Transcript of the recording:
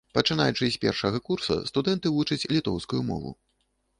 Пачынаючы з першага курса студэнты вучаць літоўскую мову.